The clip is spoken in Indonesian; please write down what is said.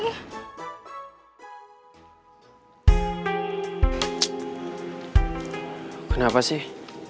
ck kenapa sih